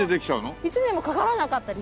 １年もかからなかったりします。